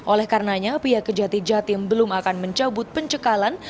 oleh karenanya pihak kejati jatim belum akan mencabut pencekalan